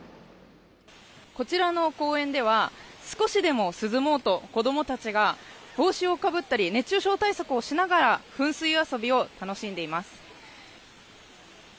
こちらの公園では少しでも涼もうと子供たちが帽子をかぶったり熱中症対策をしながら噴水遊びを楽しんでいます。